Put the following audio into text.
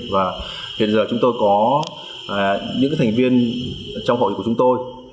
và hiện giờ chúng tôi có những thành viên trong hội của chúng tôi